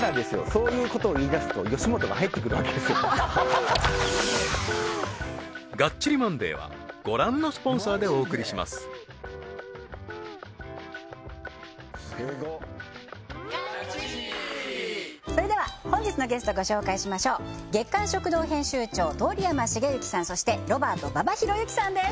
そういうことを言いだすと吉本が入ってくるわけ本日のゲストご紹介しましょう「月刊食堂」編集長通山茂之さんそしてロバート馬場裕之さんです